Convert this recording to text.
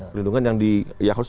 perlindungan yang di ya harus